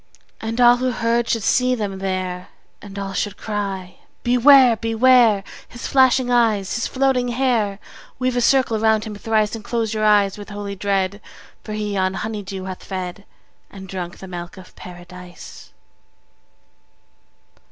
And all who heard should see them there, And all should cry, Beware! Beware! His flashing eyes, his floating hair! 50 Weave a circle round him thrice, And close your eyes with holy dread, For he on honey dew hath fed, And drunk the milk of Paradise.